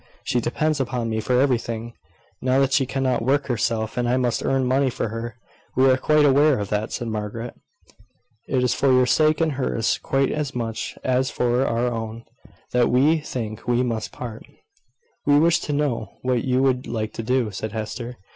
She depends upon me for everything, now that she cannot work herself: and I must earn money for her." "We are quite aware of that," said Margaret. "It is for your sake and hers, quite as much as for our own, that we think we must part." "We wish to know what you would like to do," said Hester.